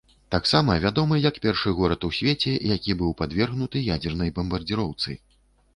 Таксама вядомы як першы горад у свеце, які быў падвергнуты ядзернай бамбардзіроўцы.